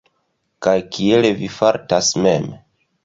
Kaj kiel vi fartas mem?